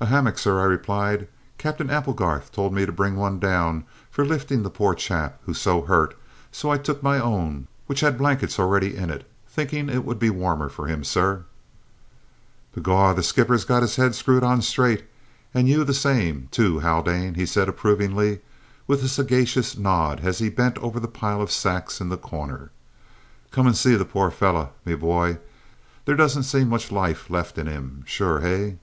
"A hammock, sir," I replied. "Cap'en Applegarth told me to bring one down for lifting the poor chap who's so hurt, and so I took my own, which had blankets already in it, thinking it would be warmer for him, sir." "Begorrah, the skipper's got his head screwed on straight, and you the same, too, Haldane," said he approvingly, with a sagacious nod as he bent over the pile of sacks in the corner. "Come and see the poor fellow, me bhoy. There doesn't seem much loife lift in him, sure, hay?"